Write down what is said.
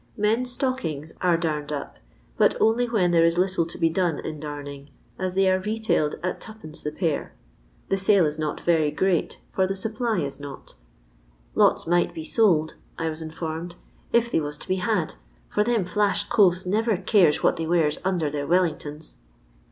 Men*s atockings are darned up, but only when there is little to be done in darning, as they are retailed at 2d. the pair. The sale is not very great, for the supply is not " LoU might be sold, I was informed, "if they was to be had, for them flash coves never cares what they wears under their Wellingtons."